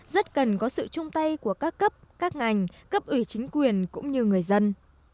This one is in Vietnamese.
rất cần có sự chung tay của các cấp các ngành cấp ủy chính quyền cũng như người dân